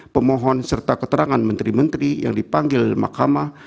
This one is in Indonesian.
pemohon serta keterangan menteri menteri yang dipanggil mahkamah